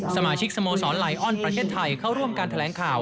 สมาชิกสโมสรไลออนประเทศไทยเข้าร่วมการแถลงข่าว